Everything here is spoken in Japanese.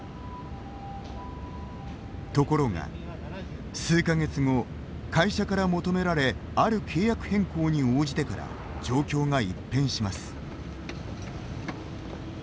ところが数か月後会社から求められある契約変更に応じてから状況が一変します。